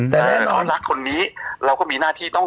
ไหนเขารักคนนี้เราก็มีหน้าที่